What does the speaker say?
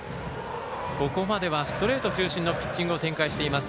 ここまではストレート中心のピッチングの展開しています。